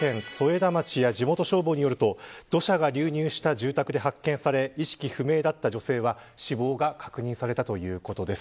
福岡県添田町の地元消防によると土砂が流入された自宅で発見され意識不明だった女性が死亡が確認されたということです。